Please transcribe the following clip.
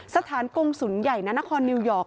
สถานกงศูนย์ใหญ่นานครนิวยอร์ก